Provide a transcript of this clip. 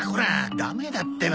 ダメだってば。